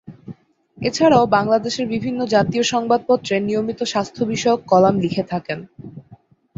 এছাড়াও বাংলাদেশের বিভিন্ন জাতীয় সংবাদপত্রে নিয়মিত স্বাস্থ্য বিষয়ক কলাম লিখে থাকেন।